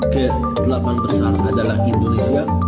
ketelapan besar adalah indonesia